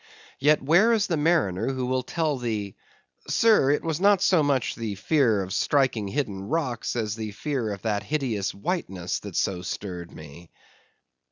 Yet where is the mariner who will tell thee, "Sir, it was not so much the fear of striking hidden rocks, as the fear of that hideous whiteness that so stirred me?"